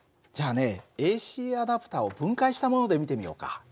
じゃあねＡＣアダプターを分解したもので見てみようか。